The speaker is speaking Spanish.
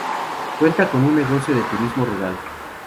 Cuenta con un negocio de turismo rural.